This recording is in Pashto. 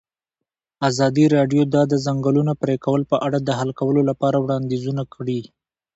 ازادي راډیو د د ځنګلونو پرېکول په اړه د حل کولو لپاره وړاندیزونه کړي.